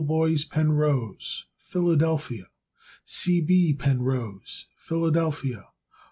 Boies Penrose, Philadelphia, Pa. C. B. Penrose, Philadelphia, Pa.